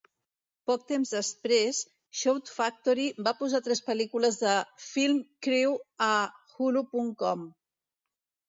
Poc temps després, Shout Factory va posar tres pel·lícules de Film Crew a Hulu.com.